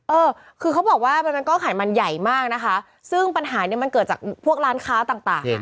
เออคือเขาบอกว่ามันเป็นก้อนไขมันใหญ่มากนะคะซึ่งปัญหาเนี้ยมันเกิดจากพวกร้านค้าต่างต่างอ่ะ